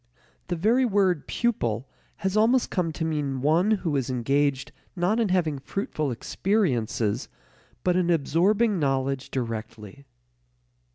The very word pupil has almost come to mean one who is engaged not in having fruitful experiences but in absorbing knowledge directly.